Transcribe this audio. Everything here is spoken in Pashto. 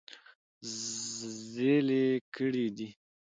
زېلې کړي دي -